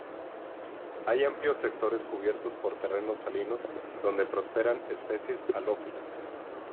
Hay amplios sectores cubiertos por terrenos salinos donde prosperan especies halófilas.